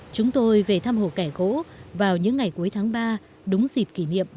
chúng tôi về thăm hồ kẻ gỗ vào những ngày cuối tháng ba đúng dịp kỷ niệm